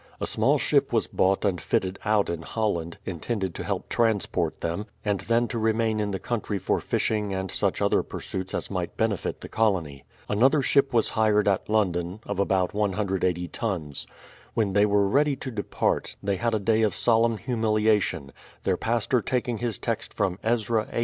A small ship was bought and fitted out in Holland, intended to help transport them, and then to remain in the country for fishing and such other pursuits as might benefit the colony. Another ship was hired at London, of about i8o tons. When they were ready to depart, they had a day of solemn humiliation, their pastor taking his text from Ezra viii.